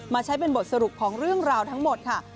ใช้เป็นบทสรุปของเรื่องราวทั้งหมดค่ะ